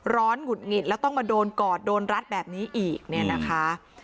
หงุดหงิดแล้วต้องมาโดนกอดโดนรัดแบบนี้อีกเนี่ยนะคะ